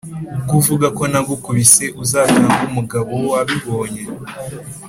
ubwo uvuga ko nagukubise uzatange umugabo wabibonye